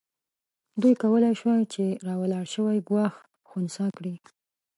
دوی کولای شوای چې راولاړ شوی ګواښ خنثی کړي.